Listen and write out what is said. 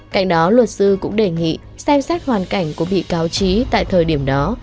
cạnh đó luật sư cũng đề nghị xem xét hoàn cảnh của bị cáo trí tại thời điểm đó